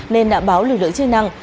nên đã báo lực lượng chức năng